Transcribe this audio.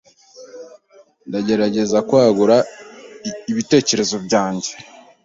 Ndagerageza kwagura ibitekerezo byanjye